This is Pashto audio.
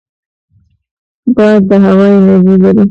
باد د هوا انرژي لري